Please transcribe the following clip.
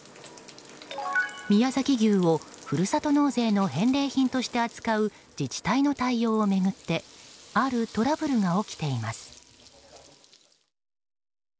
宮崎牛をふるさと納税の返礼品として扱う自治体の対応を巡ってあるトラブルが起きています。